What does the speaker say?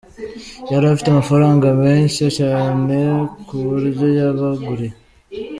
Yari afite amafaranga menshi cyane ku buryo yabaguriye.